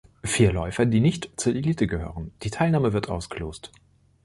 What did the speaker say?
Vier Läufer, die nicht zur Elite gehören. Die Teilnahme wird ausgelost.